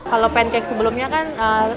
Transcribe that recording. kalau pancake sebelumnya kan